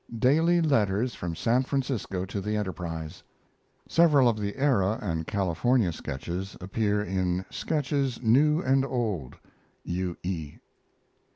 Daily letters from San Francisco to the Enterprise. (Several of the Era and Californian sketches appear in SKETCHES NEW AND OLD. U. E.)